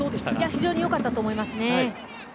非常に良かったと思いますね。